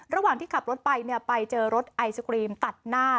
ระหว่างที่ขับรถไปไปเจอรถไอศกรีมตัดหน้า